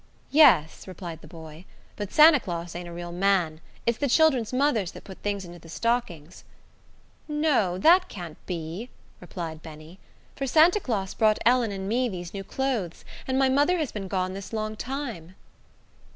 "Yes," replied the boy; "but Santa Claus ain't a real man. It's the children's mothers that put things into the stockings." "No, that can't be," replied Benny, "for Santa Claus brought Ellen and me these new clothes, and my mother has been gone this long time."